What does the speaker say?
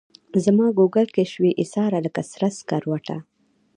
زماګوګل کي شوې ایساره لکه سره سکروټه